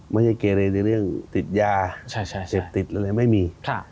ไม่ใช่เกเรในเรื่องติดยาเสพติดอะไรไม่มี